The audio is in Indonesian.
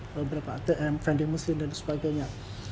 beberapa atm vending mesin dan sebagainya